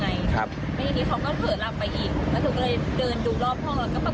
ไม่อย่างนี้เขาก็เผลอหลับไปอีกแล้วถึงก็เลยเดินดูรอบห้อง